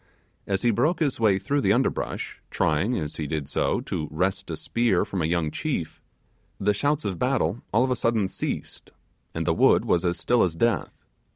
As he broke his way through the underbush, trying, as he did so, to wrest a spear from a young chief, the shouts of battle all of a sudden ceased, and the wood was as still as death.